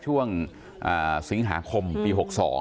ช่วงสิงหาคมปี๖๒